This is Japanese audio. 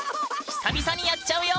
久々にやっちゃうよ！